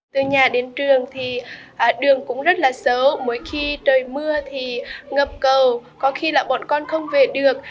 từ nhà đến trường thì đường cũng rất là xấu mỗi khi trời mưa thì ngập cầu có khi là bọn con không về được